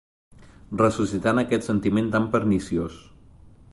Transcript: Ressuscitant aquest sentiment tan perniciós